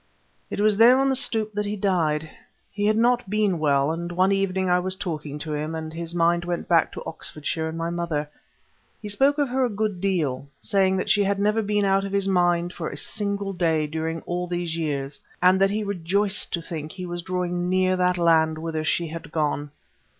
It was there on the stoep that he died. He had not been well, and one evening I was talking to him, and his mind went back to Oxfordshire and my mother. He spoke of her a good deal, saying that she had never been out of his mind for a single day during all these years, and that he rejoiced to think he was drawing near that land whither she had gone.